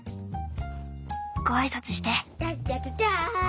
ご挨拶して。